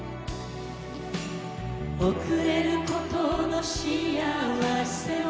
「送れることのしあわせを」